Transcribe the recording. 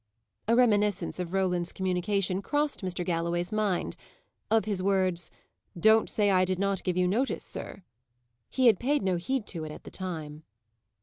A reminiscence of Roland's communication crossed Mr. Galloway's mind; of his words, "Don't say I did not give you notice, sir." He had paid no heed to it at the time.